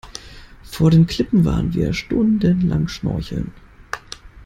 Vor den Klippen waren wir stundenlang schnorcheln.